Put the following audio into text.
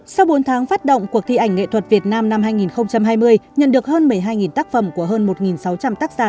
sau bốn tháng phát động cuộc thi ảnh nghệ thuật việt nam năm hai nghìn hai mươi nhận được hơn một mươi hai tác phẩm của hơn một sáu trăm linh tác giả